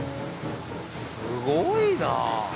すごいな。